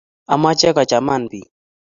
Amache kochaman biik.